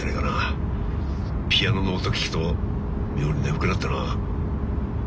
ピアノの音聴くと妙に眠くなってな。